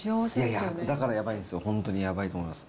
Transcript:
いやいや、だからやばいんですよ、本当にやばいと思います。